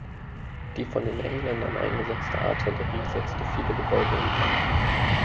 Die von den Engländern eingesetzte Artillerie setzte viele Gebäude in Brand.